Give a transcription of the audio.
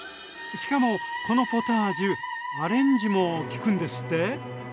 しかもこのポタージュアレンジもきくんですって？